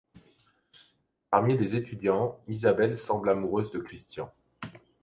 Parmi les étudiants, Isabelle semble amoureuse de Christian.